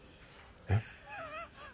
えっ？